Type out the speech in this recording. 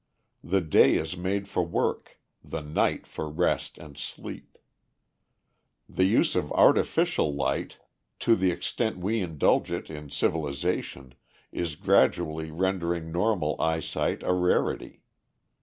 The day is made for work, the night for rest and sleep. The use of artificial light to the extent we indulge it in civilization is gradually rendering normal eyesight a rarity.